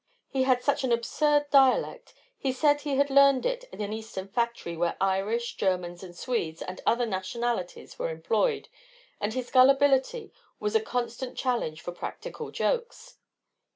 He had such an absurd dialect he said he had learned it in an eastern factory where Irish, Germans, and Swedes, and other nationalities were employed and his gullibility was a constant challenge for practical jokes.